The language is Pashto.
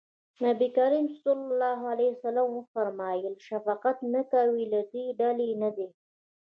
نبي کريم ص وفرمایل شفقت نه کوي له ډلې نه دی.